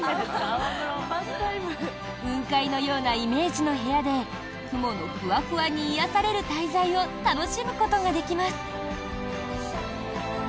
雲海のようなイメージの部屋で雲のフワフワに癒やされる滞在を楽しむことができます。